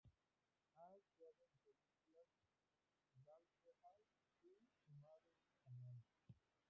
Ha actuado en las películas Dancehall Queen y Made in Jamaica.